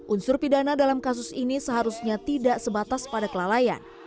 unsur pidana dalam kasus ini seharusnya tidak sebatas pada kelalaian